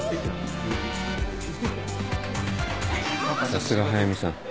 さすが速見さん。